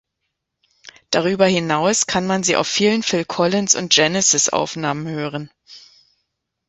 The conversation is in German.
Darüber hinaus kann man sie auf vielen Phil-Collins- und Genesis-Aufnahmen hören.